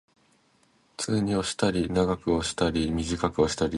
普通に押したり、長く押したり、短く押したり、強く押したり、弱く押したり、色々なパターンでボタンを押す